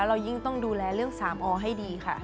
เรายิ่งต้องดูแลเรื่องสามอให้ดีค่ะ